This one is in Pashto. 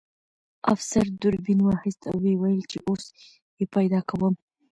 افسر دوربین واخیست او ویې ویل چې اوس یې پیدا کوم